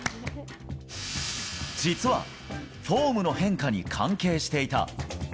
実は、フォームの変化に関係していた。